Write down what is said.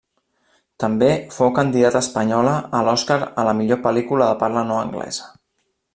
També fou candidata espanyola a l'Oscar a la millor pel·lícula de parla no anglesa.